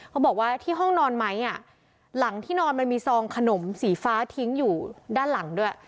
เขาบอกว่าที่ห้องนอนไม้อ่ะหลังที่นอนมันมีซองขนมสีฟ้าทิ้งอยู่ด้านหลังด้วย